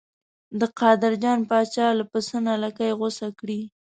د قادر جان پاچا له پسه نه لکۍ غوڅه کړې.